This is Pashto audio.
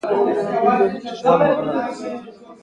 د بریسټ سرطان ښځو کې ډېر دی.